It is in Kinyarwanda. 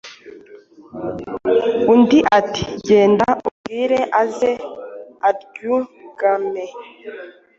Undi ati «Genda umubwire aze aryugame».